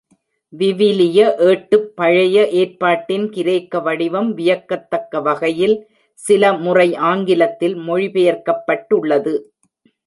விவிலிய ஏட்டுப் பழைய ஏற்பாட்டின் கிரேக்க வடிவம், வியக்கத்தக்க வகையில் சில முறை ஆங்கிலத்தில் மொழிபெயர்க்கப்பட்டுள்ளது.